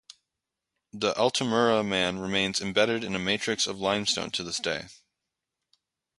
The Altamura man remains embedded in a matrix of limestone to this day.